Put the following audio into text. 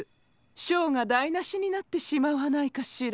ショーがだいなしになってしまわないかシラ。